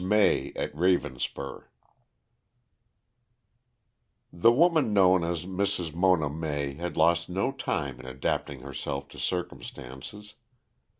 MAY AT RAVENSPUR The woman known as Mrs. Mona May had lost no time in adapting herself to circumstances.